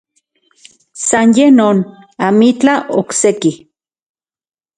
San ye non, amitlaj okse-ki.